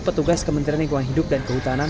petugas kementerian lingkungan hidup dan kehutanan